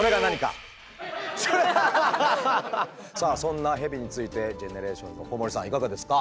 さあそんなヘビについてＧＥＮＥＲＡＴＩＯＮＳの小森さんいかがですか？